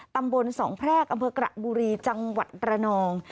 ตำบลสองแพรกอำเภอกระบุรีจังหวัดระนอง